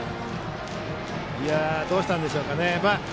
どうしたんでしょうかね。